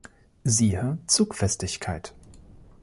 Siehe Zugfestigkeit.